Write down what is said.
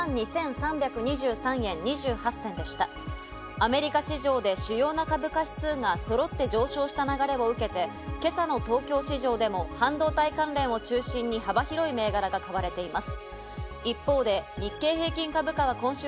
アメリカ市場で主要な株価指数が揃って上昇した流れを受けて、今朝の東京市場でも半導体関連を中心に幅広い銘柄が買われています。